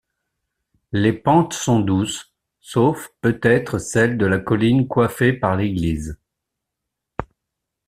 Les pentes sont douces, sauf peut-être celles de la colline coiffée par l'église.